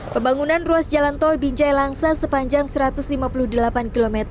pembangunan ruas jalan tol binjai langsa sepanjang satu ratus lima puluh delapan km